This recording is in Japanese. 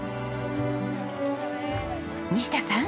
西田さん。